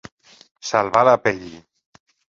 Salvar la pell.